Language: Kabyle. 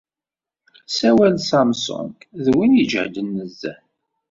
Asawal Samsung d win ijehden nezzeh.